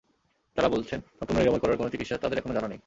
তাঁরা বলছেন, সম্পূর্ণ নিরাময় করার কোনো চিকিৎসা তাঁদের এখনো জানা নেই।